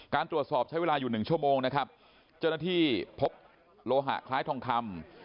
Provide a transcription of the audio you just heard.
ตรวจสอบใช้เวลาอยู่๑ชั่วโมงนะครับเจ้าหน้าที่พบโลหะคล้ายทองคำ